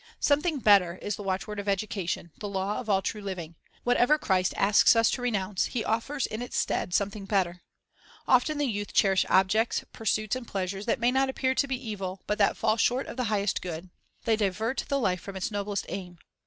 "Something better" is the watchword of educa tion, the law of all true living. Whatever Christ asks us to renounce, He offers in its stead something better. Often the youth cherish objects, pursuits, and pleasures J 2 Cor. 4:18. Discipline 297 that may not appear to be evil, but that fall short of the highest good. They divert the life from its noblest aim.